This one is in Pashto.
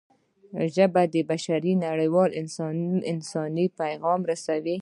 ژبه د بشري نړۍ انساني پیغام رسوي